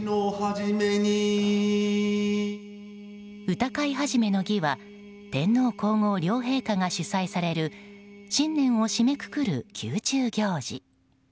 歌会始の儀は天皇・皇后両陛下が主催される新年を締めくくる宮中行事。